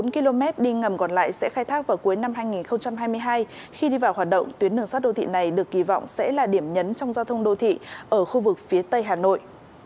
bốn km đi ngầm còn lại sẽ khai thác vào cuối năm hai nghìn hai mươi hai khi đi vào hoạt động tuyến đường sát đô thị này được kỳ vọng sẽ là điểm nhấn trong giao thông đô thị ở khu vực phía tây hà nội